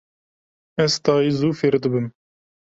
Ez tayî zû fêr dibim.